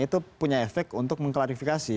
itu punya efek untuk mengklarifikasi